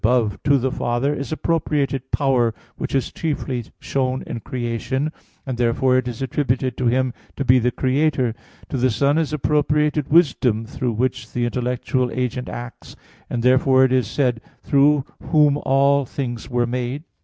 8, ad 3), to the Father is appropriated power which is chiefly shown in creation, and therefore it is attributed to Him to be the Creator. To the Son is appropriated wisdom, through which the intellectual agent acts; and therefore it is said: "Through Whom all things were made."